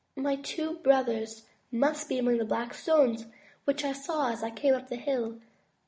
My two brothers must be among the black stones which I saw as I came up the hill.